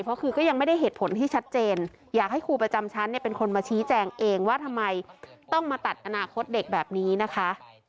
เพราะคือก็ยังไม่ได้เหตุผลที่ชัดเจนอยากให้ครูประจำชั้นเนี่ยเป็นคนมาชี้แจงเองว่าทำไมต้องมาตัดอนาคตเด็กแบบนี้นะคะ